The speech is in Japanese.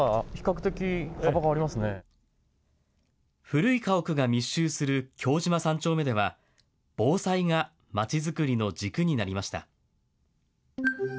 古い家屋が密集する京島３丁目では、防災がまちづくりの軸になりました。